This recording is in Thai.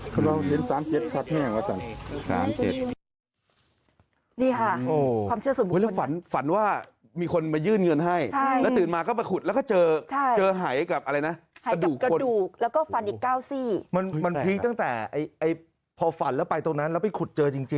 เขามองเห็น๓เซ็ตซับแห้งกว่าสัก๓เซ็ต